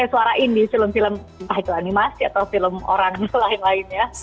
ya suara ini film film film animasi atau film orang lain lain ya